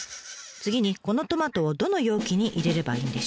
次にこのトマトをどの容器に入れればいいんでしょうか？